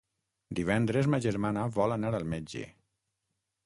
Divendres ma germana vol anar al metge.